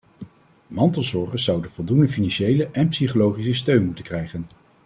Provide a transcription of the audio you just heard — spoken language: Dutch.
Mantelzorgers zouden voldoende financiële en psychologische steun moeten krijgen.